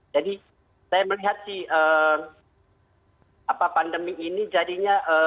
jadi saya melihat pandemi ini jadinya